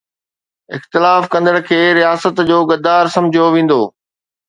اختلاف ڪندڙ کي رياست جو غدار سمجهيو ويندو